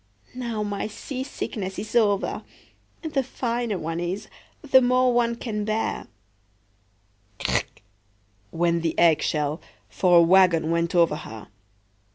Now my seasickness is over. The finer one is, the more one can bear.""Crack!" went the egg shell, for a wagon went over her.